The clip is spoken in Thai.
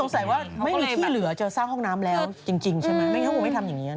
ใส่ว่าไม่มีที่เหลือเจอสร้างห้องน้ำแล้วจริงใช่ไหมไม่งั้นคงไม่ทำอย่างนี้นะ